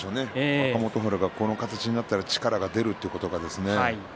若元春がこの形になったら力が出るということが。